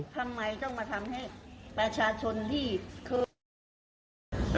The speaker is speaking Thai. ทำไมต้องมาทำให้ประชาชนที่คือ